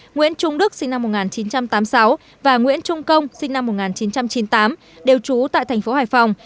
nguyễn trung đức sinh năm một nghìn chín trăm tám mươi sáu và nguyễn trung công sinh năm một nghìn chín trăm chín mươi tám đều trú tại thành phố hải phòng